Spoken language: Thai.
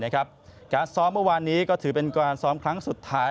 การซ้อมเมื่อวานนี้ก็ถือเป็นการซ้อมครั้งสุดท้าย